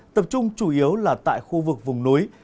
tập trung chủ yếu là tại khu vực vùng núi